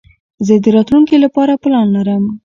زه د راتلونکي له پاره پلان لرم.